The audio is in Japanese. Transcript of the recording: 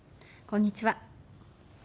こんにちは。